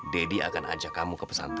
deddy akan ajak kamu ke pesantren